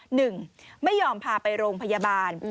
หนึ่งไม่ยอมพาไปโรงพยาบาล